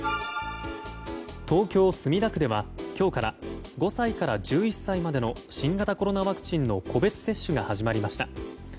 東京・墨田区では今日から５歳から１１歳までの新型コロナワクチンの個別接種が始まりました。